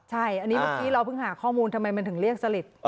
ใช่อันนี้เมื่อกี้เราเพิ่งหาข้อมูลทำไมมันถึงเรียกสลิด